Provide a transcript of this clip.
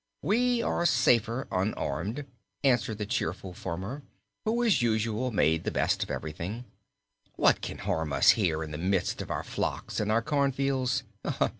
"We are safer unarmed," answered the cheerful farmer, who as usual made the best of everything. "What can harm us here in the midst of our flocks and our corn fields?